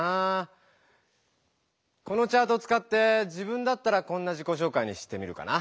このチャートをつかって自分だったらこんな自己紹介にしてみるかな。